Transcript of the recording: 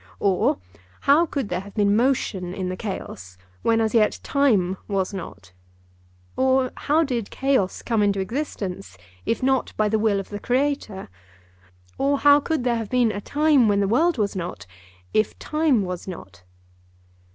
Or, how could there have been motion in the chaos when as yet time was not? Or, how did chaos come into existence, if not by the will of the Creator? Or, how could there have been a time when the world was not, if time was not?